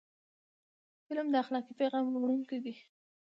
فلم د اخلاقي پیغام وړونکی دی